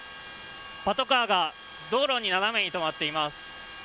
パトカーが道路に斜めに止まっています。